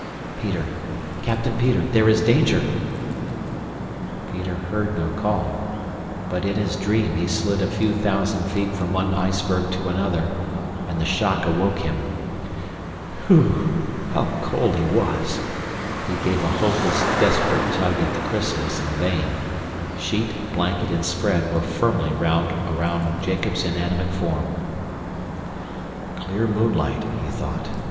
Peter! Captain Peter, there is danger! Peter heard no call, but in his dream, he slid a few thousand feet from one iceberg to another, and the shock awoke him. Whew! How cold he was! He gave a hopeless, desperate tug at the chrysalis in vain. Sheet, blanket, and spread were firmly wound around Jacob's inanimate form. Clear moonlight, he thought.